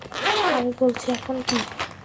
আমি বলছি, এখন কী?